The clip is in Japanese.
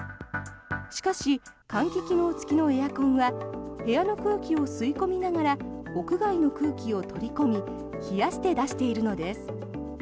しかし、換気機能付きのエアコンは部屋の空気を吸い込みながら屋外の空気を取り込み冷やして出しているのです。